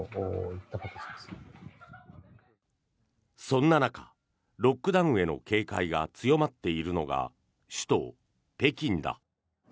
そんな中ロックダウンへの警戒が強まっているのが首都・北京だ。